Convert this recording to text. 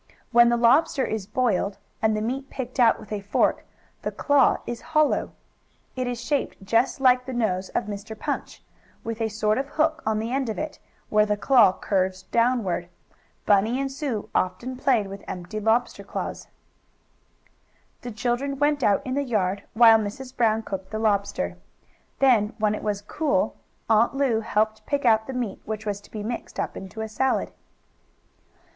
When the lobster is boiled and the meat picked out with a fork, the claw is hollow. It is shaped just like the nose of Mr. Punch, with a sort of hook on the end of it, where the claw curves downward. Bunny and Sue often played with empty lobster claws. The children went out in the yard while Mrs. Brown cooked the lobster. Then, when it was cool, Aunt Lu helped pick out the meat which was to be mixed up into a salad.